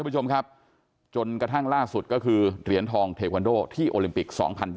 ผู้ชมครับจนกระทั่งล่าสุดก็คือเหรียญทองเทควันโดที่โอลิมปิก๒๐๒๐